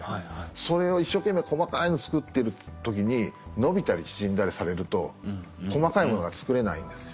それを一生懸命細かいの作ってる時に伸びたり縮んだりされると細かいものが作れないんですよ。